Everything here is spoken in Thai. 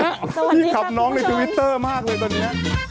สวัสดีครับคุณผู้ชมพี่ขับน้องในทวิตเตอร์มากเลยตอนนี้